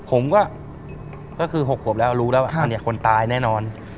ผมก็คือหกหวบแล้วรู้แล้วว่าคนตายแน่นอน